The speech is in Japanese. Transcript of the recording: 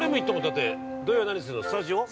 だって「土曜はナニする！？」のスタジオ。